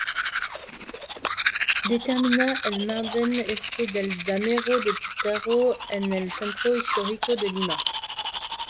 Determina el margen este del Damero de Pizarro en el centro histórico de Lima.